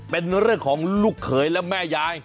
เป็นเรื่องของลูกเขยและแม่ยาย